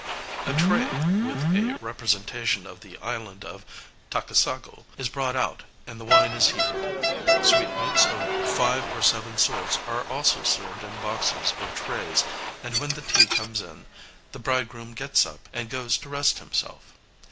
A tray, with a representation of the island of Takasago, is brought out, and the wine is heated; sweetmeats of five or seven sorts are also served in boxes or trays; and when the tea comes in, the bridegroom gets up, and goes to rest himself.